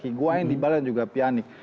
ugain di bale dan juga pjanic